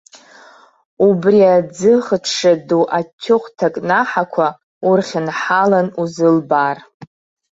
Убри аӡы хыҽҽа ду ачыхә-ҭакнаҳақәа урхьынҳалан узылбаар.